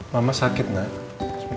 mama sakit nek